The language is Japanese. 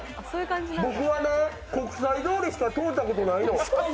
僕は根、国際通りしか通ったことないの。